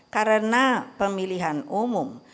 karena pemilihan umum